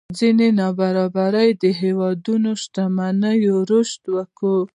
ځينې نابرابرۍ هېوادونو شتمنۍ رشد وکړي.